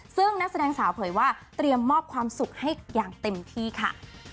ซึ่งนักแสดงสาวเผยว่าเตรียมมอบความสุขให้อย่างเต็มที่ค่ะ